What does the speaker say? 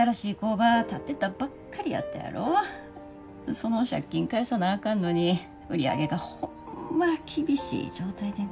その借金返さなあかんのに売り上げがホンマ厳しい状態でな。